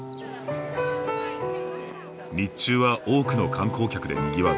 日中は多くの観光客でにぎわう